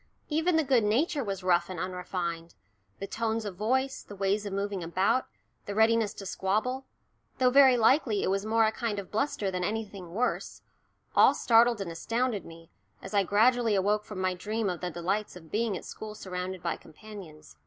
Even the good nature was rough and unrefined the tones of voice, the ways of moving about, the readiness to squabble, though very likely it was more a kind of bluster than anything worse, all startled and astounded me, as I gradually awoke from my dream of the delights of being at school surrounded by companions.